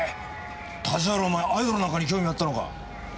立原お前アイドルなんかに興味あったのか。